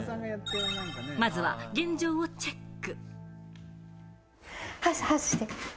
まずは現状をチェック。